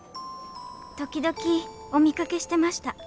時々お見かけしてました。